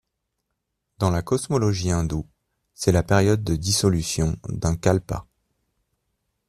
Dans la cosmogonie hindoue, c'est la période de dissolution d'un kalpa.